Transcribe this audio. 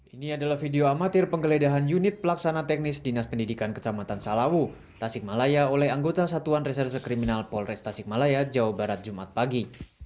ini adalah video amatir penggeledahan unit pelaksana teknis dinas pendidikan kecamatan salawu tasikmalaya oleh anggota satuan reserse kriminal polres tasikmalaya jawa barat jumat pagi